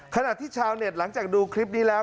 ขณะที่ชาวเน็ตหลังจากดูคลิปนี้แล้ว